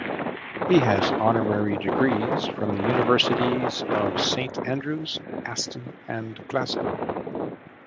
He has Honorary degrees from the Universities of Saint Andrews, Aston and Glasgow.